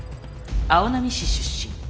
青波市出身。